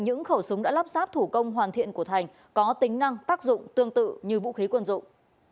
những khẩu súng đã lắp sáp thủ công hoàn thiện của thành có tính năng tác dụng tương tự như vũ khí quân dụng